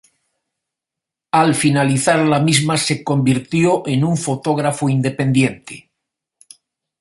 Al finalizar la misma se convirtió en un fotógrafo independiente.